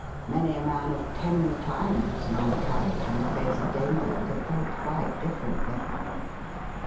Many a man of ten times my courage in the face of danger would have felt quite differently.'